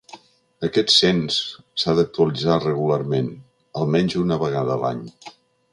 Aquest cens s’ha d’actualitzar regularment, almenys una vegada a l’any.